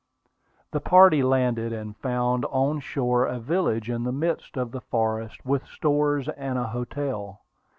The party landed, and found on shore a village in the midst of the forest, with stores and a hotel.